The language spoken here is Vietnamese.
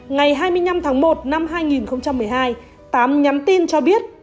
ngày hai mươi năm tháng một năm hai nghìn một mươi hai tám nhắn tin cho biết